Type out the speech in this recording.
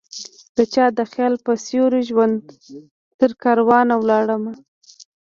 دچا د خیال په سیوری ژونده ؛ ترکاروان ولاړمه